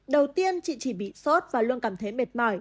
đầu tiên chị chỉ bị sốt và luôn cảm thấy mệt mỏi